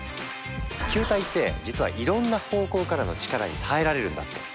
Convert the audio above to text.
球体って実はいろんな方向からの力に耐えられるんだって。